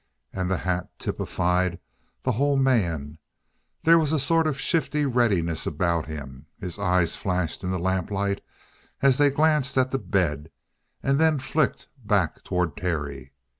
And the hat typified the whole man. There was a sort of shifty readiness about him. His eyes flashed in the lamplight as they glanced at the bed, and then flicked back toward Terry.